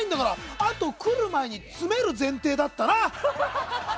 あと、来る前に詰める前提だったな！